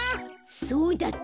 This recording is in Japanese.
そうだった。